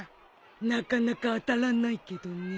なかなか当たらないけどね。